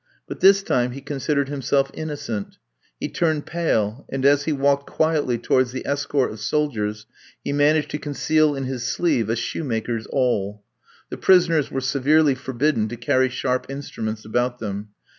But this time he considered himself innocent. He turned pale, and as he walked quietly towards the escort of soldiers he managed to conceal in his sleeve a shoemaker's awl. The prisoners were severely forbidden to carry sharp instruments about them.